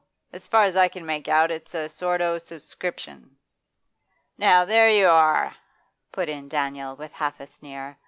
As far as I can make out it's a sort o' subscription.' 'Now, there you are!' put in Daniel with half a sneer.